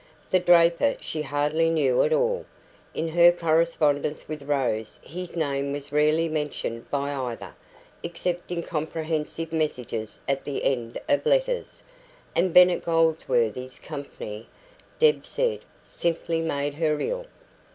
The draper she hardly knew at all in her correspondence with Rose his name was rarely mentioned by either, except in comprehensive messages at the end of letters; and Bennet Goldsworthy's company, Deb said, simply made her ill.